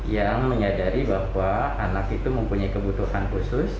yang menyadari bahwa anak itu mempunyai kebutuhan khusus